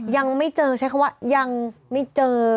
ยังไม่เจอใช้คำว่ายังไม่เจอ